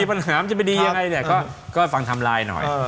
เราก็ฟังทำลายหน่อย